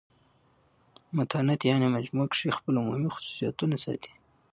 متانت یعني مجموع کښي خپل عمومي خصوصیتونه ساتي.